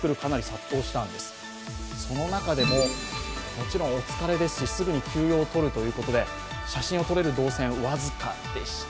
もちろんお疲れですし、すぐに休養をとるということで写真を撮れる動線僅かでした。